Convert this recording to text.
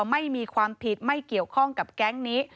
ไม่มีความผิดไม่เกี่ยวข้องกับแก๊งนี้